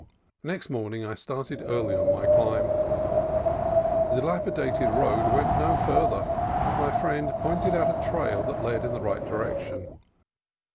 Next morning I started early on my climb. The dilapidated road went no farther, but my friend pointed out a trail that led in the right direction.